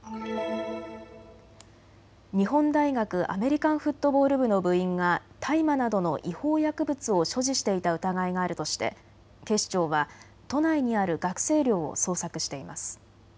日本大学アメリカンフットボール部の部員が大麻などの違法薬物を所持していた疑いがあるとして警視庁は都内にある学生寮を捜索しています。